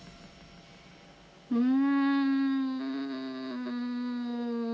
うん。